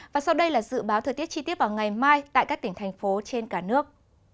và sau đây là dự báo thời tiết chi tiết vào ngày mai tại các tỉnh thành phố trên cả nước